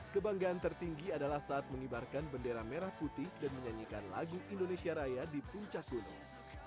kebanggaan tertinggi adalah saat mengibarkan bendera merah putih dan menyanyikan lagu indonesia raya di puncak gunung